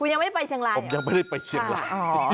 ยังไม่ได้ไปเชียงรายผมยังไม่ได้ไปเชียงราย